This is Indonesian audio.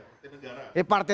itu khas sekali partai